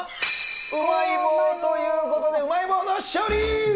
うまい棒ということで、うまい棒の勝利！